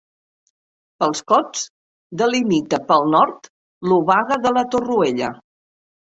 Pels Cots, delimita pel nord l'Obaga de la Torroella.